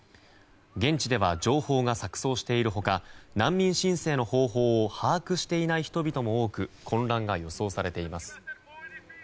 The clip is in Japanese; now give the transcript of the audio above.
現地では情報が錯綜している他難民申請の方法を把握していない人々も多く混乱が予想されています。